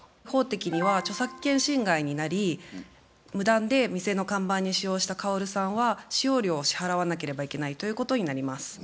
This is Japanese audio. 法的には著作権侵害になり無断で店の看板に使用した薫さんは使用料を支払わなければいけないということになります。